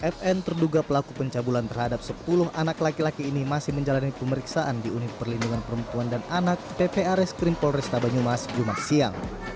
fn terduga pelaku pencabulan terhadap sepuluh anak laki laki ini masih menjalani pemeriksaan di unit perlindungan perempuan dan anak ppares krim polresta banyumas jumat siang